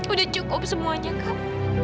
udah cukup semuanya kak